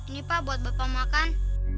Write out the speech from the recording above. ini pak buat bapak makan